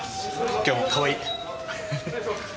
今日もかわいい。